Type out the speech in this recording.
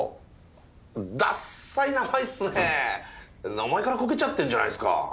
名前からコケちゃってんじゃないですか。